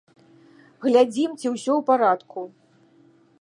Глядзім, ці ўсё ў парадку.